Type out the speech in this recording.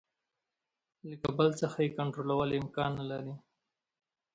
له کابل څخه یې کنټرولول امکان نه لري.